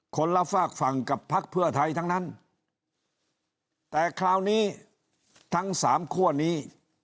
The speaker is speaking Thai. ละฝากฝั่งกับพักเพื่อไทยทั้งนั้นแต่คราวนี้ทั้งสามคั่วนี้